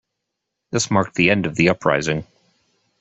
This marked the end of the uprising.